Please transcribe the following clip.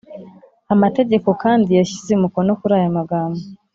Amategeko kandi yashyize umukono kuri aya magambo